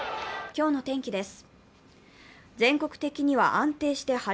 今日の天気です。